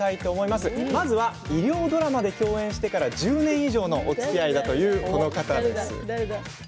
まずは医療ドラマで共演してから１０年以上のおつきあいだというこの方です。